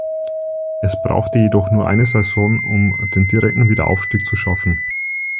Es brauchte jedoch nur eine Saison um den direkten Wiederaufstieg zu schaffen.